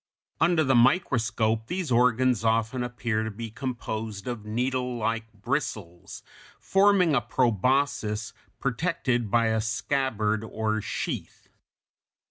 Under the microscope these organs often appear to be composed of needlelike bristles, forming a proboscis protected by a scabbard or sheath.